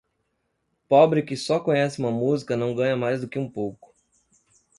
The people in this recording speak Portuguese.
Pobre que só conhece uma música não ganha mais do que um pouco.